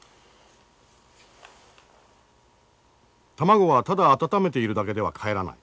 卵はただ温めているだけではかえらない。